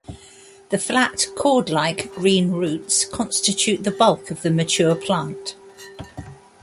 The flat, cord-like green roots constitute the bulk of the mature plant.